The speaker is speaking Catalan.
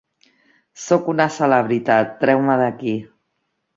Sóc una celebritat... Treu-me d'aquí!